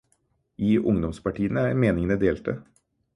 I ungdomspartiene er meningene delte.